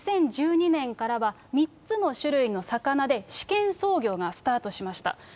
２０１２年からは、３つの種類の魚で、試験操業がスタートしました。